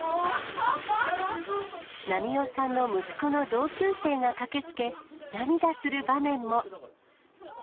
ナミヨさんの息子の同級生が駆けつけ、涙する場面も。